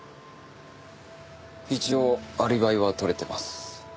一応アリバイは取れてます。